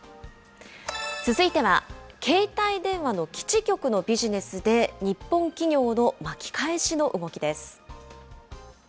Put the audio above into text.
続いては、携帯電話の基地局のビジネスで日本企業の巻き返しの動きです。